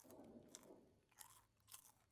¡ Bien, atrás! ¡ atrás, caníbales!